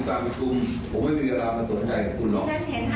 อย่างนี้ผมจะมีเวลาผมไม่มีเวลามาสนใจคุณหรอก